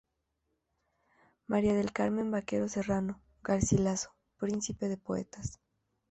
M.ª del Carmen Vaquero Serrano, "Garcilaso, príncipe de poetas.